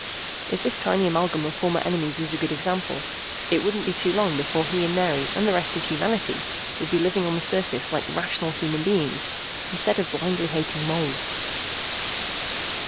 If this tiny amalgam of former enemies was a good example, it wouldn't be too long before he and Mary and the rest of humanity would be living on the surface like rational human beings instead of blindly hating moles.